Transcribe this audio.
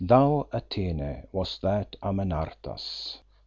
Thou, Atene, wast that Amenartas.